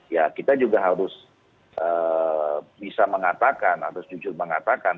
ya kita juga harus bisa mengatakan atau jujur mengatakan